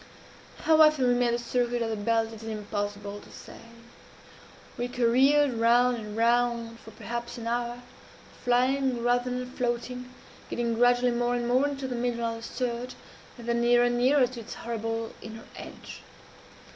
"How often we made the circuit of the belt it is impossible to say. We careered round and round for perhaps an hour, flying rather than floating, getting gradually more and more into the middle of the surge, and then nearer and nearer to its horrible inner edge.